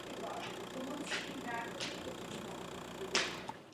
Provincie leží na severu Vietnamu.